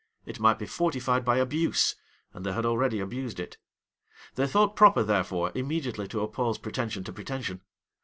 It might be fortified by abuse; and they had already abused it. They thought proper, therefore, immediately to oppose pretension to pretension.